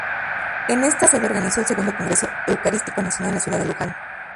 En esta sede organizó el Segundo Congreso Eucarístico Nacional en la ciudad de Luján.